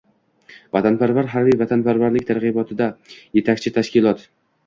“Vatanparvar” — harbiy vatanparvarlik targ‘ibotida yetakchi tashkilotng